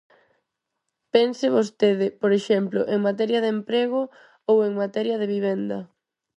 Pense vostede, por exemplo, en materia de emprego ou en materia de vivenda.